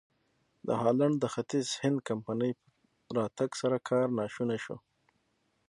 د هالنډ د ختیځ هند کمپنۍ په راتګ سره کار ناشونی شو.